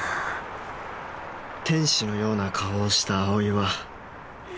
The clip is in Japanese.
天使のような顔をした葵は